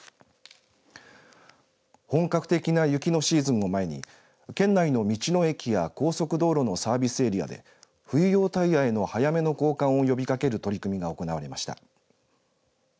本格的な雪のシーズンを前に県内の道の駅や高速道路のサービスエリアで冬用タイヤへの早めの交換を呼びかける取り組みが行われました。